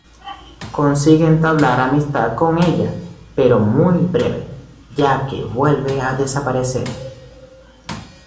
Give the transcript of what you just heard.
Consigue entablar amistad con ella, pero muy breve, ya que vuelve a desaparecer.